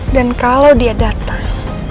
dan kalo dia dateng